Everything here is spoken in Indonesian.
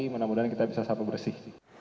mudah mudahan kita bisa sapa bersih